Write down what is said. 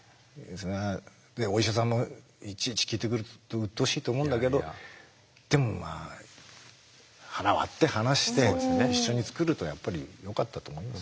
でお医者さんもいちいち聞いてくるとうっとうしいと思うんだけどでもまあ腹割って話して一緒に作るとやっぱりよかったと思います。